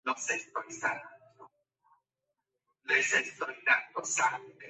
Crece en matorrales y pastizales.